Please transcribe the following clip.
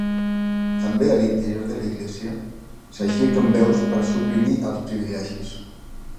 També a l'interior de l'església s'aixequen veus per a suprimir els privilegis.